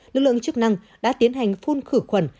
lực lượng chức năng đã tiến hành phun khử khuẩn